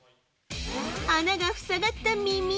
穴が塞がった耳。